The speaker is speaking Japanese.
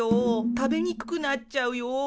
食べにくくなっちゃうよ！